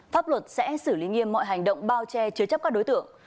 pháp luật sẽ xử lý nghiêm mọi hành động bao che chứa chấp các đối tượng